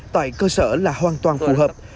tại cơ sở là hoàn toàn phù hợp